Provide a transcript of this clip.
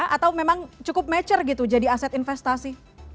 atau memang cukup mature gitu jadi aset investasi